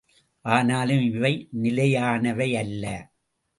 ஆனாலும் இவை நிலையானவையல்ல.